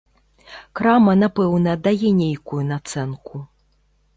Крама, напэўна, дае нейкую нацэнку.